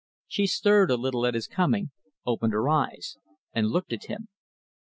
She stirred a little at his coming, opened her eyes, and looked at him.